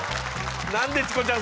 なんでチコちゃん